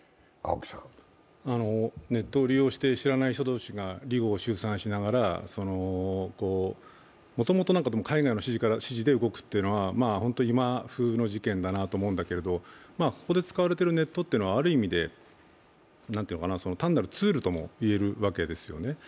ネットを利用して知らない人同士が離合集散しながらもともと海外の指示で動くというのは今風な事件だなと思うんだけれども、ここで使われているネットは、ある意味で、単なるツールともいえるわけですよね。